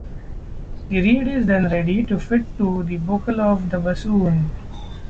The reed is then ready to fit to the bocal of the bassoon.